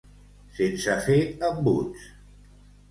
Sense fer embuts.